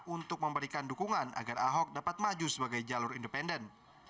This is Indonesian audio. untuk memberikan dukungan agar ahok dapat maju sebagai jalur independen